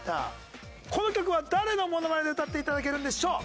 この曲は誰のモノマネで歌って頂けるんでしょう？